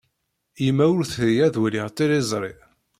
Yemma ur tri ad waliɣ tiliẓri.